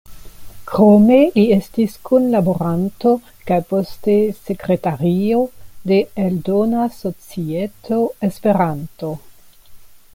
Krome li estis kunlaboranto kaj poste sekretario de Eldona Societo Esperanto.